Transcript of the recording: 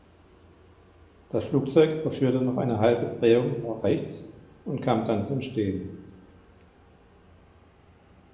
Das Flugzeug vollführte noch eine halbe Drehung nach rechts und kam dann zum Stehen.